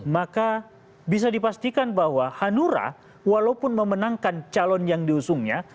maka bisa dipastikan bahwa hanura walaupun memenangkan calon yang diusungnya